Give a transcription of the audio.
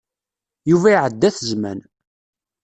Yuba iɛedda-t zzman.